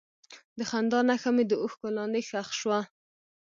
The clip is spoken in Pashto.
د خندا نښه مې د اوښکو لاندې ښخ شوه.